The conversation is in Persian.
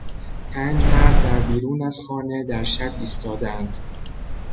پنج مرد در بیرون از خانه در شب ایستاده اند.